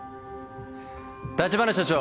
橘社長